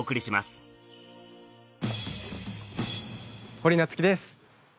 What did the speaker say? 堀夏喜です。